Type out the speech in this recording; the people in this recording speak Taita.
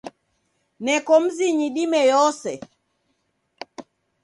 Neko mzinyi dime yose.